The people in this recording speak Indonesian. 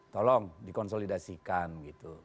tolong dikonsolidasikan gitu